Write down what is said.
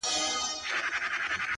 د زړه ملا مي راته وايي دغه.